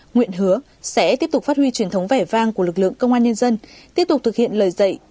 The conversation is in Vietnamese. nguyện hứa sẽ tiếp tục phát huy truyền thống vẻ vang của lực lượng công an nhân dân tiếp tục thực hiện lời dạy